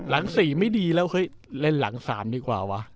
ถ้าไม่ดีแล้วเล่นหลัง๓ดีกว่าวะ